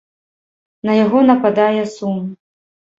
На яго нападае сум.